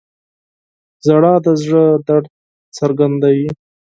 • ژړا د زړه درد څرګندوي.